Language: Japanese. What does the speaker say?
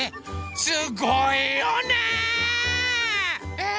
すごいよねー！